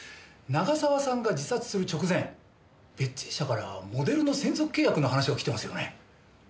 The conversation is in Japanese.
長澤さんが自殺する直前ベッツィー社からモデルの専属契約の話がきてますよね？